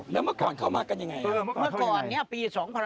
แล้วเมื่อก่อนเขามากันอย่างไร